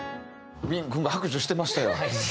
ウィン君が拍手してましたよ。